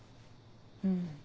うん。